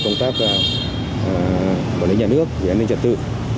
công tác bảo lý nhà nước an ninh trật tự